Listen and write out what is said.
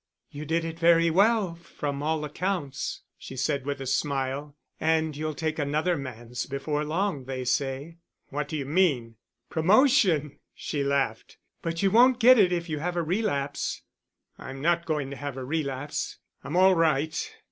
"You did it very well, from all accounts," she said with a smile; "and you'll take another man's before long, they say." "What do you mean?" "Promotion," she laughed; "but you won't get it if you have a relapse." "I'm not going to have a relapse. I'm all right.